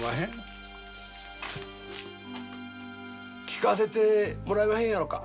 聞かせてもらえまへんやろか。